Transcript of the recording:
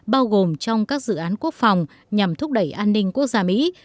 bao gồm trong các dự án quốc phòng nhằm thúc đẩy an ninh quốc gia mỹ